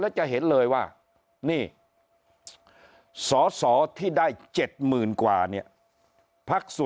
แล้วจะเห็นเลยว่าสสที่ได้เจ็ดมือนกว่าเนี่ยพรักสุ